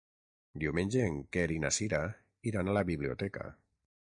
Diumenge en Quer i na Cira iran a la biblioteca.